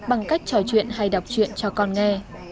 bằng cách trò chuyện hay đọc chuyện cho con nghe